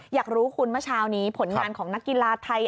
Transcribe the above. อยากรู้คุณเมื่อเช้านี้ผลงานของนักกีฬาไทย